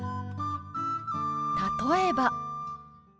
例えば。